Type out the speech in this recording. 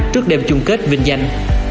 trước đêm chung kết vinh danh